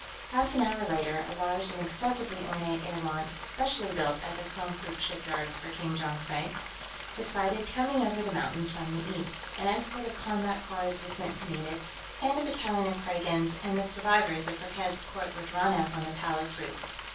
Half an hour later, a large and excessively ornate air launch, specially built at the Konkrook shipyards for King Jonkvank, was sighted coming over the mountain from the east. An escort of combat cars was sent to meet it, and a battalion of Kragans and the survivors of Firkked's court were drawn up on the Palace roof.